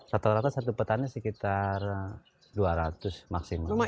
rata rata satu petani sekitar dua ratus maksimal